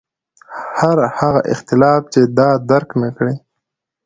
هر هغه اختلاف چې دا درک نکړي.